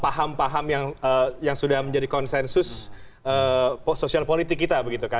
paham paham yang sudah menjadi konsensus sosial politik kita